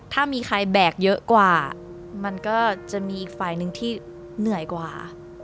ถ้ามีใครแบกเยอะกว่ามันก็จะมีอีกฝ่ายหนึ่งที่เหนื่อยกว่า